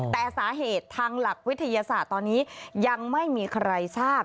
แต่สาเหตุทางหลักวิทยาศาสตร์ตอนนี้ยังไม่มีใครทราบ